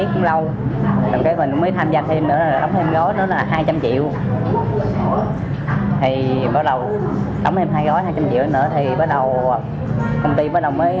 hàng tỷ đồng